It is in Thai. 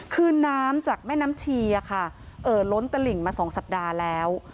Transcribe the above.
คือน้ำจากแม่น้ำชีเอ่อล้นตลิ่งมา๒สัปดาห์แล้ว